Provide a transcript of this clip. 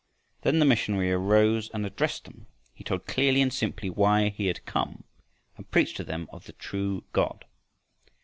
Then the missionary arose and addressed them. He told clearly and simply why he had come and preached to them of the true God.